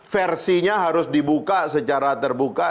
versinya harus dibuka secara terbuka